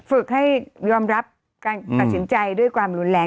ฝึกให้ยอมรับการตัดสินใจด้วยความรุนแรง